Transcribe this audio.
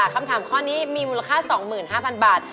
คำถามข้อนี้มีมูลค่า๒๕๐๐๐บาท